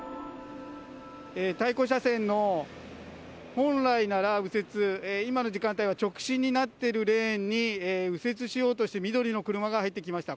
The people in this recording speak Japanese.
対向車線の本来なら右折、今の時間帯は直進になっているレーンに、右折しようとして緑の車が入ってきました。